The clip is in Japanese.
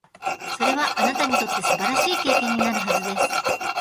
それは、あなたにとって素晴らしい経験になるはずです。